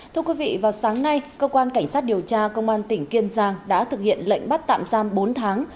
thưa quý vị vào sáng nay cơ quan cảnh sát điều tra công an tỉnh kiên giang đã thực hiện lệnh bắt tạm giam bốn tháng